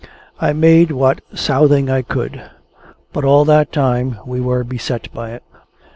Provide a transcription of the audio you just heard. I made what southing I could; but, all that time, we were beset by it.